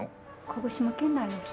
鹿児島県内の土。